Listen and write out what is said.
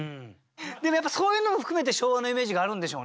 でもやっぱそういうのも含めて昭和のイメージがあるんでしょうね。